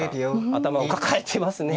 頭を抱えてますね。